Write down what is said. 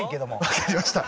わかりました。